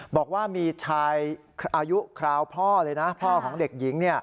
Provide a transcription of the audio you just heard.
บอกว่ามีชายอายุคราวพ่อเลยนะพ่อของเด็กหญิง